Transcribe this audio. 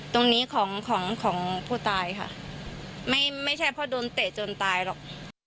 ตรงนี้ของของผู้ตายค่ะไม่ใช่เพราะโดนเตะจนตายหรอก